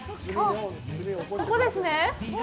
ここですね。